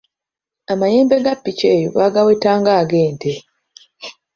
Amayembe ga ppiki eyo baagaweta ng’agente.